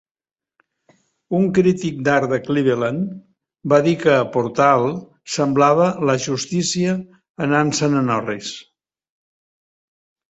Un crític d'art de Cleveland va dir que "Portal" semblava "la justícia anant-se'n en orris".